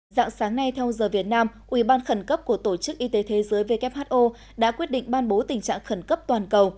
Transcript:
dạng sáng nay theo giờ việt nam ủy ban khẩn cấp của tổ chức y tế thế giới who đã quyết định ban bố tình trạng khẩn cấp toàn cầu